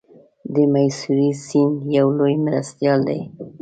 د میسوری سیند یو لوی مرستیال دی.